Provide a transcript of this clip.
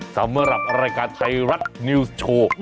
สำหรับรายการไทยรัฐนิวส์โชว์